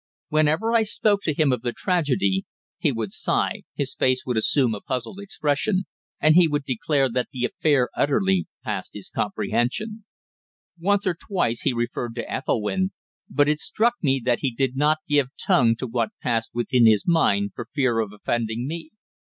Whenever I spoke to him of the tragedy, he would sigh, his face would assume a puzzled expression, and he would declare that the affair utterly passed his comprehension. Once or twice he referred to Ethelwynn, but it struck me that he did not give tongue to what passed within his mind for fear of offending me.